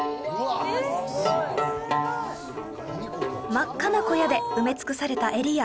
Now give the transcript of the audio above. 真っ赤な小屋で埋め尽くされたエリア